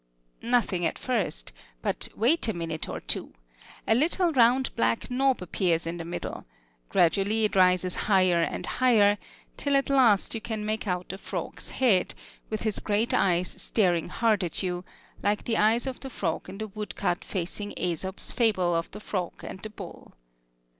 Nothing at first; but wait a minute or two: a little round black knob appears in the middle; gradually it rises higher and higher, till at last you can make out a frog's head, with his great eyes staring hard at you, like the eyes of the frog in the woodcut facing Æsop's fable of the frog and the bull.